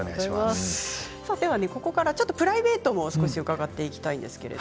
ここからプライベートも伺っていきたいと思います。